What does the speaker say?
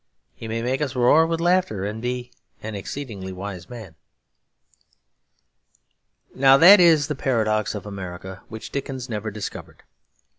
He may make us roar with laughter and be an exceedingly wise man. Now that is the paradox of America which Dickens never discovered.